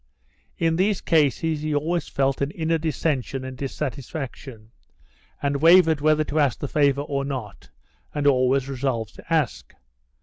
In these cases he always felt an inner dissension and dissatisfaction, and wavered whether to ask the favour or not, and always resolved to ask.